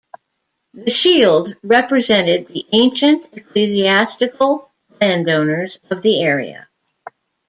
The shield represented the ancient ecclesiastical landowners of the area.